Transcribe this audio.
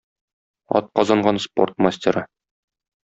Атказанган спорт мастеры.